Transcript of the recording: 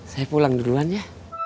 saya pulang duluan ya